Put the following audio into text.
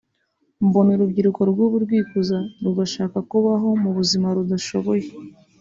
Mbona urubyiruko rw’ubu rwikuza rugasha kubaho mu buzima rudashoboye